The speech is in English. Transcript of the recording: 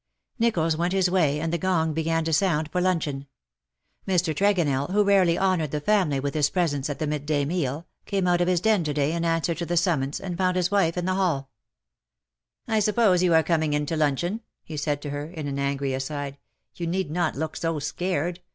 NichoUs went his way, and the gong began to sound for luncheon. Mr. Tregonell, who rarely honoured the family with his presence at the mid day meal, came out of his den to day in answer to the summons, and found his wife in the hall. STILL COME NEW WOES." 17 '^ I suppose you are coming in to luncheon/^ he said to her_, in an angry aside. " You need not look so scared.